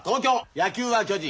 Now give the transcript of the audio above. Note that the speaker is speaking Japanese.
野球は巨人。